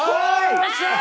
よっしゃー！